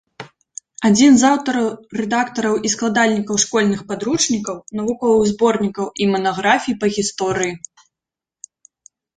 Адзін з аўтараў, рэдактараў і складальнікаў школьных падручнікаў, навуковых зборнікаў і манаграфій па гісторыі.